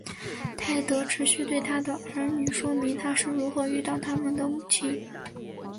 泰德持续对他的儿女说明他是如何遇到他们的母亲。